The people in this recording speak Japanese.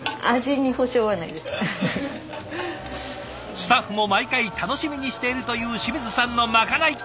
スタッフも毎回楽しみにしているという清水さんのまかない。